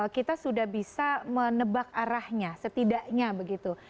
kita sudah bisa menebak arahnya setidaknya begitu